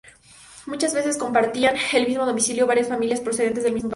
Muchas veces compartían el mismo domicilio varias familias procedentes del mismo país.